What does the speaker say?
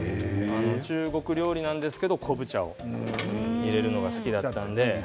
中国料理なんですけれども昆布茶を入れるのが好きだったので。